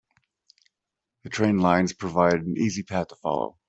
The train lines provided an easy path to follow.